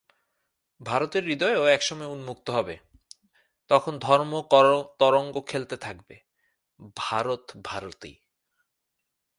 ভারতের হৃদয়ও এক সময়ে উন্মুক্ত হবে, তখন ধর্মতরঙ্গ খেলতে থাকবে! ভারত ভারতই।